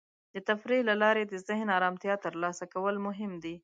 د تفریح له لارې د ذهن ارامتیا ترلاسه کول مهم دی.